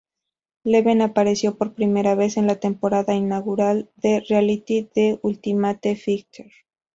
Leben apareció por primera vez en la temporada inaugural del reality The Ultimate Fighter.